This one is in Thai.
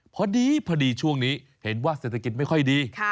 พอดีช่วงนี้เห็นว่าเศรษฐกิจไม่ค่อยดี